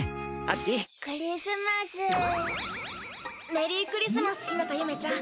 メリークリスマス日向ゆめちゃん。